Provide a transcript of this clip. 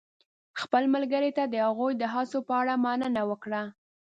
خپل ملګري ته د هغوی د هڅو په اړه مننه وکړه.